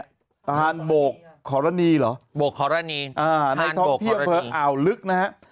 ธานโบกขรณีหรอธานโบกขรณีธานโบกขรณีอ่าในท่องเที่ยวเผลออ่าวลึกนะครับ